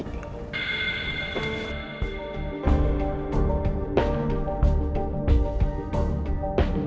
kak ibu gue tarik